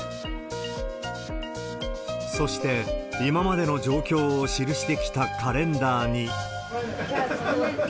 そして今までの状況を記してきたカレンダーに。